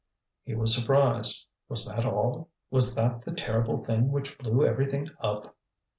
He was surprised. Was that all? Was that the terrible thing which blew everything up?